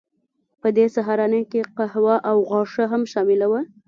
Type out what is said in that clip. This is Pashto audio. په دې سهارنۍ کې قهوه او غوښه هم شامله وه